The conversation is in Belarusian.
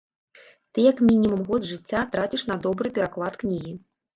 Ты як мінімум год жыцця траціш на добры пераклад кнігі.